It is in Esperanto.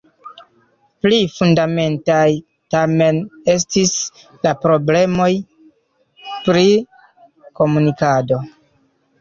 Pli fundamentaj tamen estis la problemoj pri komunikado.